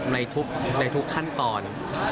ในทุกขั้นตอน